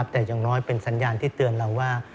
แต่อย่างน้อยเป็นสัญญาณที่เตือนเราว่า